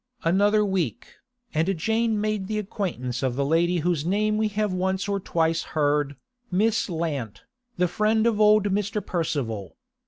Another week, and Jane made the acquaintance of the lady whose name we have once or twice heard, Miss Lant, the friend of old Mr. Percival.